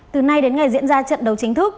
từ nay đến ngày diễn ra trận đấu chính thức